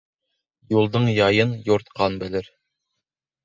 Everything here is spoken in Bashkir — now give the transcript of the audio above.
Юлдың яйын юртҡан белер.